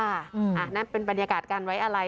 นั่นเป็นบรรยากาศการไว้อะไร